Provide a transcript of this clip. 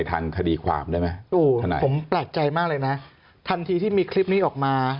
ทันทีที่มีคลิปนี้ออกมา